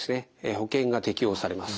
保険が適用されます。